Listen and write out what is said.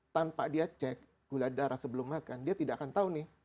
tanpa dia cek gula darah sebelum makan dia tidak akan tahu nih